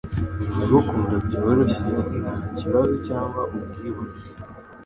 Ndagukunda byoroshye, nta kibazo cyangwa ubwibone: